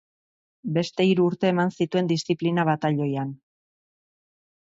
Beste hiru urte eman zituen diziplina-batailoian.